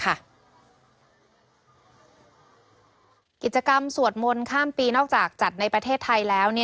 กิจกรรมสวดมนต์ข้ามปีนอกจากจัดในประเทศไทยแล้ว